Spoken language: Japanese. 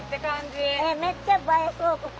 めっちゃ映えそうここ。